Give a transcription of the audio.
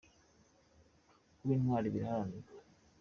Kuba intwari biraharanirwa